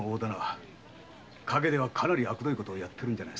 陰ではかなりあくどい事やってるんじゃないですか？